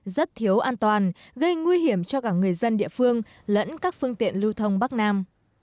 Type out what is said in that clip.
rất thiếu an toàn gây nguy hiểm cho cả người dân địa phương lẫn các phương tiện lưu thông bắc nam